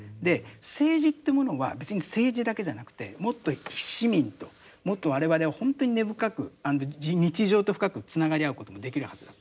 政治というものは別に政治だけじゃなくてもっと市民ともっと我々はほんとに根深く日常と深くつながり合うこともできるはずだ。